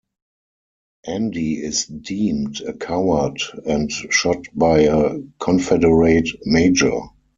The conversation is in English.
Andy is deemed a coward and shot by a Confederate major.